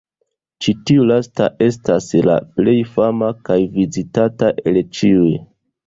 Ĉi tiu lasta estas la plej fama kaj vizitata el ĉiuj.